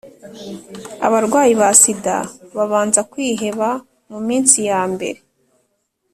abarwayi ba sida babanza kwiheba mu minsi yambere